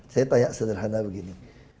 saya tanya sederhana begini